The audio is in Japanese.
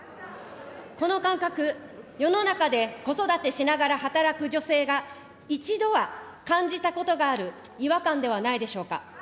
この感覚、世の中で子育てしながら働く女性が、一度は感じたことがある違和感ではないでしょうか。